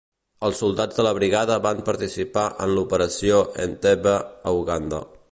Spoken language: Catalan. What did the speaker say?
Els soldats de la Brigada van participar en l'Operació Entebbe a Uganda.